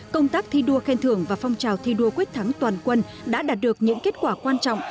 công tác thi đua khen thưởng và phong trào thi đua quyết thắng toàn quân đã đạt được những kết quả quan trọng